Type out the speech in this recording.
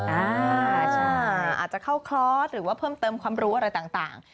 อ่าใช่อาจจะเข้าคลอสหรือว่าเพิ่มเติมความรู้อะไรต่าง